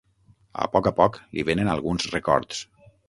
A poc a poc, li vénen alguns records.